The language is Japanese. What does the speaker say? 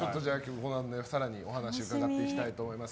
このあと更にお話を伺っていきたいと思います。